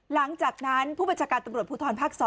หลังจากนั้นผู้บัญชาการตำรวจภูทรภาค๒